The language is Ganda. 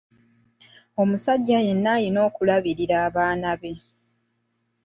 Omusajja yenna alina okulabirira abaana be.